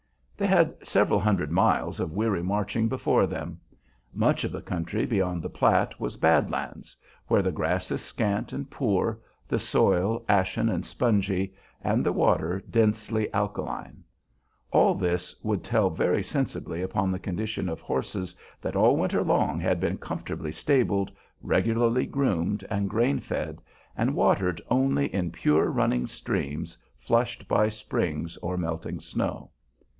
They had several hundred miles of weary marching before them. Much of the country beyond the Platte was "Bad Lands," where the grass is scant and poor, the soil ashen and spongy, and the water densely alkaline. All this would tell very sensibly upon the condition of horses that all winter long had been comfortably stabled, regularly groomed and grain fed, and watered only in pure running streams flushed by springs or melting snow.